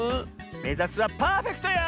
めざすはパーフェクトよ！